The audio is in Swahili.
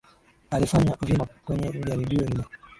Alifanya vyema kwenye jaribio lile